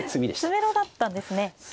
詰めろだったんですね。